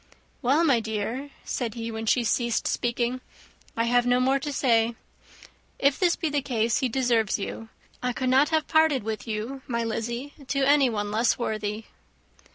"Well, my dear," said he, when she ceased speaking, "I have no more to say. If this be the case, he deserves you. I could not have parted with you, my Lizzy, to anyone less worthy."